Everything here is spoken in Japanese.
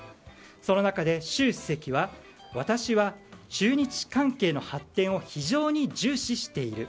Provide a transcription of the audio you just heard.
その中で習主席は私は中日関係の発展を非常に重視している。